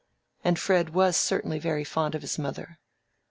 And Fred was certainly very fond of his mother.